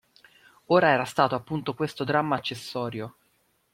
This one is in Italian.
Ora era stato appunto questo dramma accessorio.